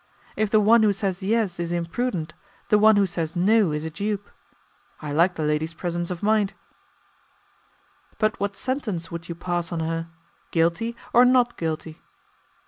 If the one who says yes is imprudent, the one who says no is a dupe. I like the lady's presence of mind." "But what sentence would you pass on her. Guilty or not guilty?"